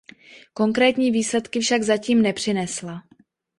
Konkrétní výsledky však zatím nepřinesla.